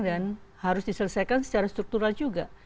dan harus diselesaikan secara struktural juga